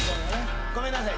ごめんなさい